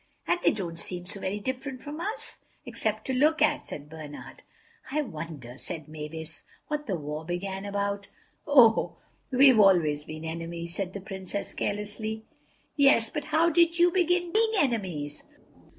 "And they don't seem so very different from us—except to look at," said Bernard. "I wonder," said Mavis, "what the war began about?" "Oh—we've always been enemies," said the Princess, carelessly. "Yes—but how did you begin being enemies?"